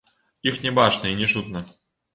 Іх не бачна і не чутна.